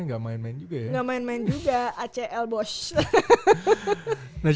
nggak main main juga ya gak main main juga acl bos